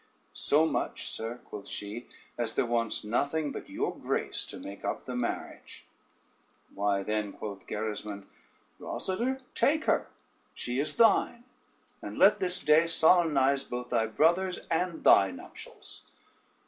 "So much, sir," quoth she, "as there wants nothing but your grace to make up the marriage." "Why, then," quoth Gerismond, "Rosader take her: she is thine, and let this day solemnize both thy brother's and thy nuptials."